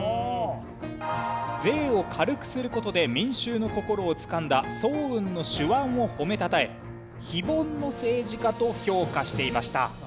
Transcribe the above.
税を軽くする事で民衆の心をつかんだ早雲の手腕を褒めたたえ非凡の政治家と評価していました。